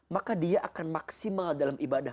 maka dia akan maksimal dalam ibadah